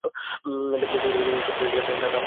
দেবদেবীদের নিয়ে সুবিধে এই যে, নাম ধরে ডাকলেই তাঁরা খুশি।